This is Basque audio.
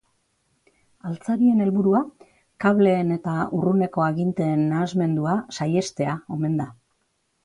Altzarien helburua kableen eta urruneko aginteen nahasmendua saihestea omen da.